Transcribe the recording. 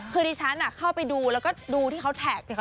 คือดิฉันเข้าไปดูแล้วก็ดูที่เขาแท็ก